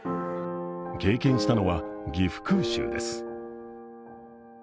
経験したのは岐阜空襲です。